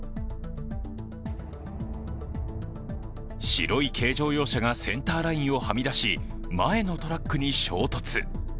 白い軽乗用車がセンターラインをはみ出し、前のトラックに衝突。